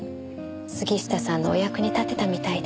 杉下さんのお役に立てたみたいで。